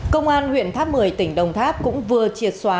công an huyện tháp mười tỉnh đồng tháp cũng vừa triệt xóa